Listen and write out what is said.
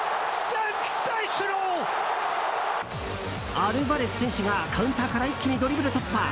アルヴァレス選手がカウンターから一気にドリブル突破。